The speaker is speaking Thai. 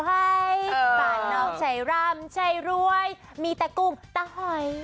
ป้านนอกใช้ร่ำใช้รวยมีแต่กลุ่มแต่หอย